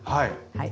はい。